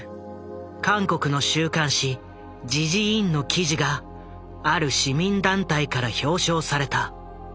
韓国の週刊誌「時事ＩＮ」の記事がある市民団体から表彰された。